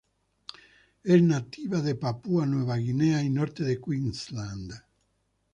Es nativa de Papúa Nueva Guinea, y norte de Queensland.